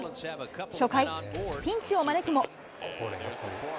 初回、ピンチを招くも。